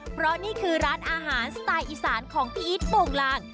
เพราะนี่คือร้านอาหารสไตล์อีสานของพี่อีทโปรงลาง